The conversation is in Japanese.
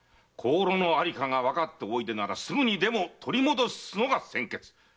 香炉のありかがわかっているならすぐにでも取り戻すのが先決。